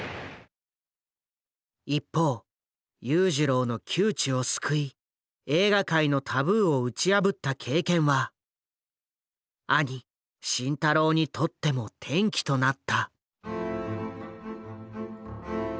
一方裕次郎の窮地を救い映画界のタブーを打ち破った経験は兄慎太郎にとっても転機となった。